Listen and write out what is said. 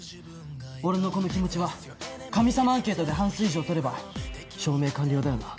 俺のこの気持ちは神様アンケートで半数以上を取れば証明完了だよな？